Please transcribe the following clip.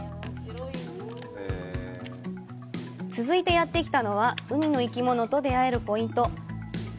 続いてやってきたのは、海の生き物と出会えるポイント。